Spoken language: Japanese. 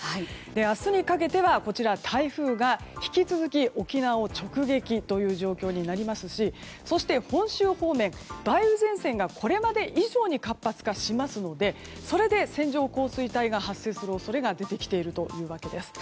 明日にかけては、台風が引き続き沖縄を直撃という状況になりますしそして、本州方面梅雨前線がこれまで以上に活発化しますのでそれで線状降水帯が発生する恐れが出てきているというわけです。